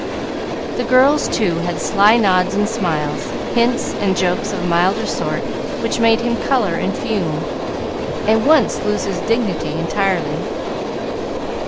The girls, too, had sly nods and smiles, hints and jokes of a milder sort, which made him color and fume, and once lose his dignity entirely.